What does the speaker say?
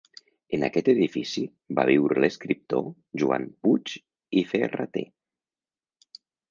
En aquest edifici va viure l'escriptor Joan Puig i Ferrater.